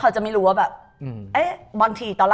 เขาจะไม่รู้ว่าเบอร์ละ